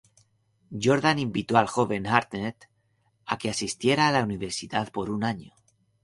Jordan invitó al joven Hartnett a que asistiera a la universidad por un año.